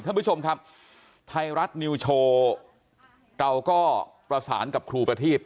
ท่านผู้ชมครับไทยรัฐนิวโชว์เราก็ประสานกับครูประทีพ